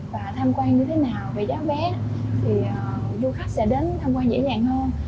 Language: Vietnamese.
và tham quan như thế nào về giá vé thì du khách sẽ đến tham quan dễ dàng hơn